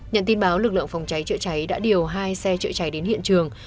nhận tin báo lực lượng phòng cháy chữa cháy đã điều hai xe chữa cháy đến hiện trường